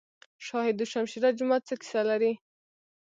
شاه دوشمشیره جومات څه کیسه لري؟